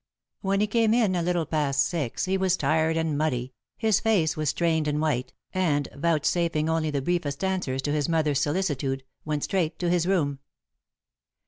When he came in, a little past six, he was tired and muddy, his face was strained and white, and, vouchsafing only the briefest answers to his mother's solicitude, went straight to his room.